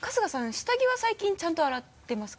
下着は最近ちゃんと洗ってますか？